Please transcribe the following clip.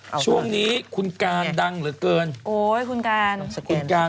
เออช่วงนี้คุณการดังเหลือเกินโอ้ยคุณการ